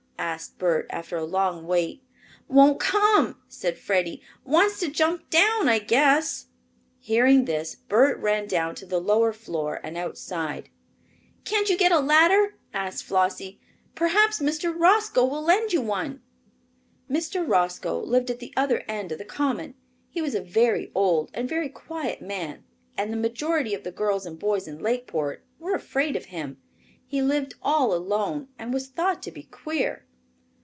asked Bert, after a long wait. "Won't come," said Freddie. "Wants to jump down, I guess." Hearing this, Bert ran down to the lower floor and outside. "Can't you get a ladder?" asked Flossie. "Perhaps Mr. Roscoe will lend you one." Mr. Roscoe lived at the other end of the common. He was a very old and very quiet man, and the majority of the girls and boys in Lakeport were afraid of him. He lived all alone and was thought to be queer.